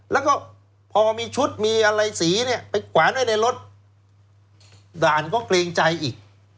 แล้วก็พอมีชุดมีอะไรสีเนี่ยไปแขวนไว้ในรถด่านก็เกรงใจอีก